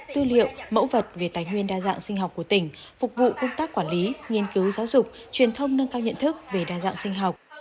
tư liệu mẫu vật về tài nguyên đa dạng sinh học của tỉnh phục vụ công tác quản lý nghiên cứu giáo dục truyền thông nâng cao nhận thức về đa dạng sinh học